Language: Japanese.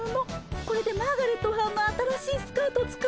これでマーガレットはんの新しいスカート作ってね。